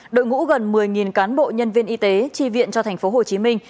đội ngũ gần một mươi cán bộ nhân viên y tế tri viện cho thành phố hồ chí minh